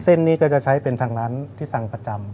เส้นนี้ก็จะใช้เป็นทางร้านที่สั่งประจำ